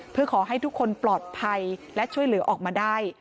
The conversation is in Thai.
เพื่อขอให้ทุกคนปลอดภัยและช่วยเหลือออกมาได้